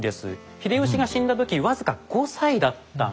秀吉が死んだ時僅か５歳だったんですよね。